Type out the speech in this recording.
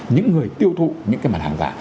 những người tiêu thụ những cái mặt hàng giả